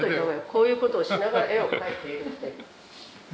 こういうことをしながら絵を描いているって。